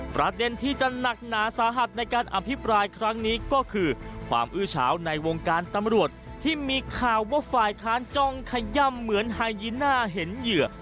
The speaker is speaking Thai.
ประเด็นที่จะหนักหนาสาหัสในการอภิปรายครั้งนี้ก็คือความอื้อเฉาในวงการตำรวจที่มีข่าวว่าฝ่ายค้านจ้องขย่ำเหมือนไฮยีน่าเห็นเหยื่อ